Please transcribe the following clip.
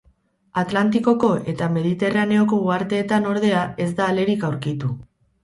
Atlantikoko eta Mediterraneoko uharteetan, ordea, ez da alerik aurkitu.